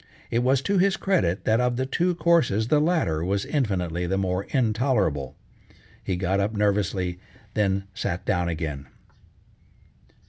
It was to his credit, that of the two courses the latter was infinitely the more intolerable. He got up nervously, then sat down again.